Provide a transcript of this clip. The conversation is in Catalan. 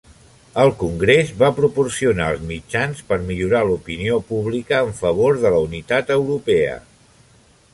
El Congrés va proporcionar els mitjans per millorar l'opinió pública en favor de la unitat europea.